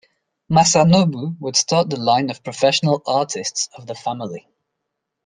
Masanobu would start the line of professional artists of the family.